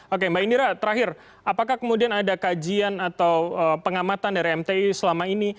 oke mbak indira terakhir apakah kemudian ada kajian atau pengamatan dari mti selama ini